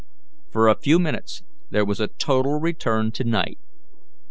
For a few minutes there was a total return to night.